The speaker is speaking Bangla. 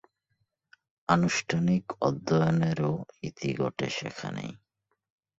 আনুষ্ঠানিক অধ্যয়নেরও ইতি ঘটে সেখানেই।